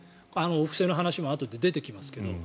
お布施の話もあとで出てきますけど。